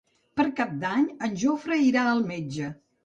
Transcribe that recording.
Per Cap d'Any en Jofre irà al metge.